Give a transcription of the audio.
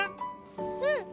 うん！